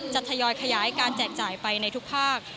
ทยอยขยายการแจกจ่ายไปในทุกภาค